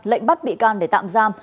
lệnh bắt bị can để tạm giam